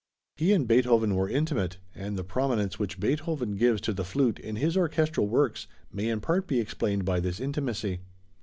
He and Beethoven were intimate, and the prominence which Beethoven gives to the flute in his orchestral works may in part be explained by this intimacy.